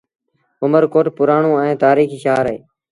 اُمر ڪوٽ پُرآڻو ائيٚݩ تآريٚکي شآهر اهي